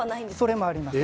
それもあります。